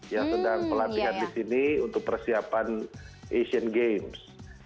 yang sedang pelatihan di sini untuk persiapan asian games